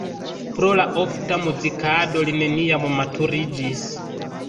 Pro la ofta muzikado li neniam maturiĝis.